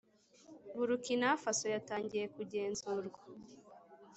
Burukina Faso yatangiye kugenzurwa .